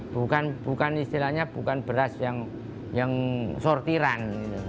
bukan bukan istilahnya bukan beras yang yang sortiran